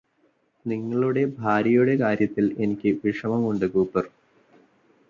നിങ്ങളുടെ ഭാര്യയുടെ കാര്യത്തില് എനിക്ക് വിഷമമുണ്ട് കൂപര്